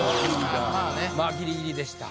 まぁギリギリでした。